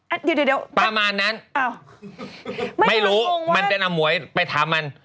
อ่ะเดี๋ยวประมาณนั้นไม่รู้มันจะนำหมวยไปถามมัน